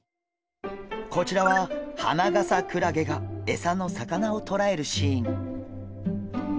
こちらはハナガサクラゲがエサの魚をとらえるシーン。